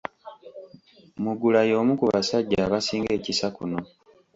Mugula y'omu ku basajja abasinga ekisa kuno.